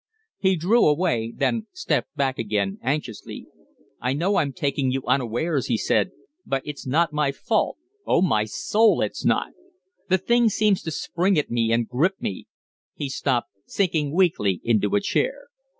He drew away, then stepped back again anxiously. "I know I'm taking you unawares," he said. "But it's not my fault. On my soul, it's not! The thing seems to spring at me and grip me " He stopped, sinking weakly into a chair.